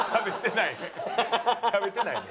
食べてないね。